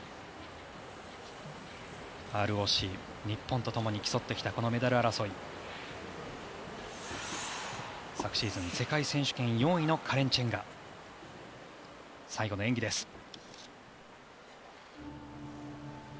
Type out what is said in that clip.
ＲＯＣ、日本とともに競ってきたこのメダル争い。昨シーズン、世界選手権４位のカレン・チェンが最後の演技です。